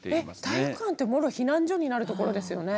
体育館ってもろ避難所になるところですよね。